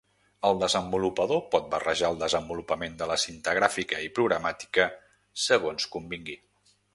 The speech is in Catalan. El desenvolupador pot barrejar el desenvolupament de la cinta gràfica i programàtica segons convingui.